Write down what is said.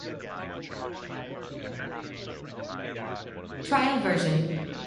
The Aachen Symphony Orchestra was thus the first of its kind in the Rhineland.